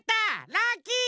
ラッキー！